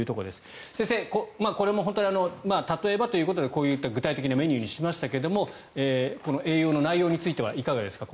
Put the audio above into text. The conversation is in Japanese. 先生、これも例えばということでこういった具体的なメニューにしましたけど栄養の内容についてはいかがですか？